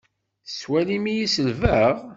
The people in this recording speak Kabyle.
Tettwalim-iyi selbeɣ?